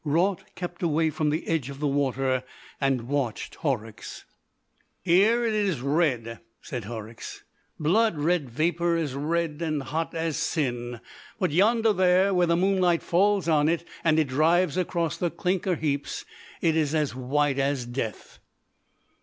Raut kept away from the edge of the water, and watched Horrocks. "Here it is red," said Horrocks, "blood red vapour as red and hot as sin; but yonder there, where the moonlight falls on it, and it drives across the clinker heaps, it is as white as death."